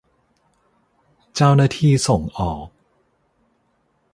เจ้าหน้าที่ส่งออก